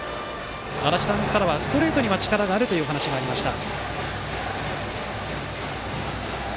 足達さんからは、ストレートには力があるというお話がありました。